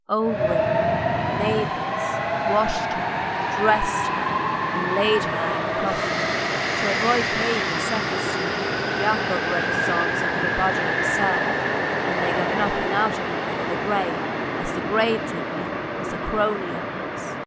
Old women, neighbours, washed her, dressed her, and laid her in the coffin. To avoid paying the sacristan, Yakov read the psalms over the body himself, and they got nothing out of him for the grave, as the grave digger was a crony of his.